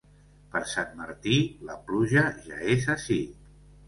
Per Sant Martí la pluja ja és ací.